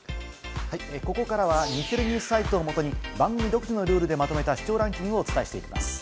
ここからは日テレＮＥＷＳサイトをもとに番組独自のルールでまとめた視聴ランキングをお伝えします。